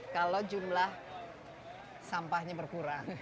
kalau jumlah sampahnya berkurang